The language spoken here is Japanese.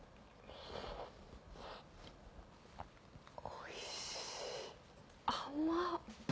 おいしい甘っ。